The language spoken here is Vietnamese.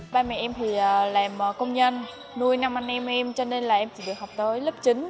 ba mẹ em thì làm công nhân nuôi năm anh em em cho nên là em chỉ được học tới lớp chín